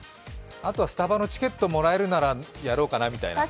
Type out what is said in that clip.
あとはスタバのチケットもらえるならやろうかな、みたいな。